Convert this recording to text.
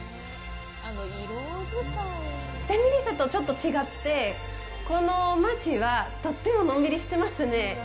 テネリフェとちょっと違って、この街はとってものんびりしてますね。